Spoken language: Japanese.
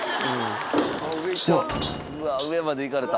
うわ上まで行かれた。